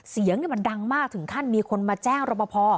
เสียงมันดังมากถึงขั้นมีคนมาแจ้งรบพอ